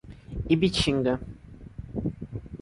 Ibitinga